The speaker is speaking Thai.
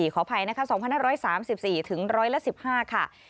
ขออภัยนะคะ๒๕๓๔ถึงร้อยละ๑๕ค่ะ